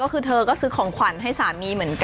ก็คือเธอก็ซื้อของขวัญให้สามีเหมือนกัน